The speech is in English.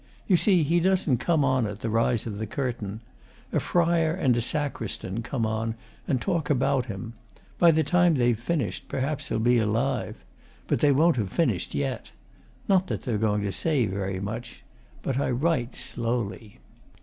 You see, he doesn't come on at the rise of the curtain. A Friar and a Sacristan come on and talk about him. By the time they've finished, perhaps he'll be alive. But they won't have finished yet. Not that they're going to say very much. But I write slowly.